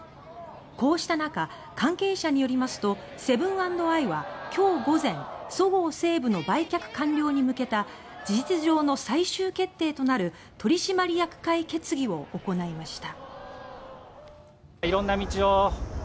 こうした中関係者によりますとセブン＆アイは今日午前「そごう・西武」の売却完了に向けた事実上の最終決定となる取締役会決議を行いました。